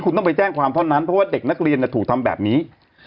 คุณต้องไปแจ้งความเท่านั้นเพราะว่าเด็กนักเรียนถูกทำแบบนี้